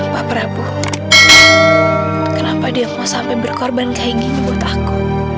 pak prabu kenapa dia mau sampai berkorban kayak gini buat aku